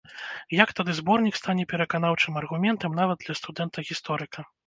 Як тады зборнік стане пераканаўчым аргументам нават для студэнта-гісторыка?